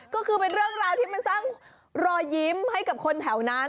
ก็คือเป็นเรื่องราวที่มันสร้างรอยยิ้มให้กับคนแถวนั้น